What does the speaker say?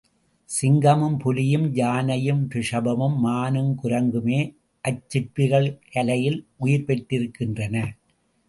சிங்கமும் புலியும், யானையும் ரிஷபமும், மானும், குரங்குமே அச்சிற்பிகள் கலையில் உயிர் பெற்றிருக்கின்றன.